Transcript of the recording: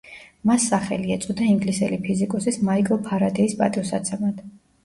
მას სახელი ეწოდა ინგლისელი ფიზიკოსის მაიკლ ფარადეის პატივსაცემად.